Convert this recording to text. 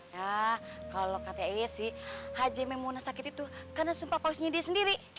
yaa kalo kata ae sih haja maimunah sakit itu karena sumpah palsunya dia sendiri